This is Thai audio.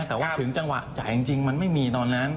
แต่ว่าถึงจังหวะจ่ายจริงมันไม่มีตอนนั้น